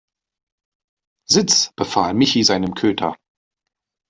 Sitz!, befahl Michi seinem Köter.